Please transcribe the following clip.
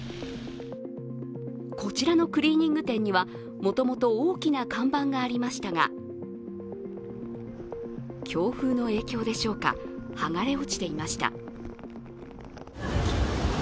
こちらのクリーニング店にはもともと大きな看板がありましたが、強風の影響でしょうか、はがれ落ちていました。